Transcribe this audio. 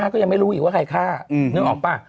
ก็ยังไม่รู้อีกว่าใครฆ่านึกออกป่ะ